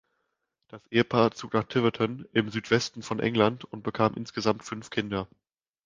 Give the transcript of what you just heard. Das Ehepaar zog nach Tiverton im Südwesten von England und bekam insgesamt fünf Kinder.